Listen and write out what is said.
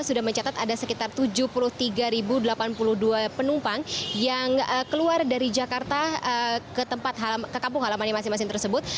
sudah mencatat ada sekitar tujuh puluh tiga delapan puluh dua penumpang yang keluar dari jakarta ke kampung halamannya masing masing tersebut